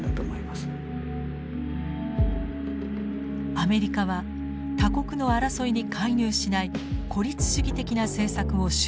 アメリカは他国の争いに介入しない孤立主義的な政策を修正していきます。